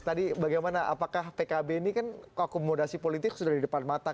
tadi apa pkb ini kan akuamodasi politik sudah di depan mata